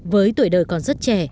với tuổi đời còn rất trẻ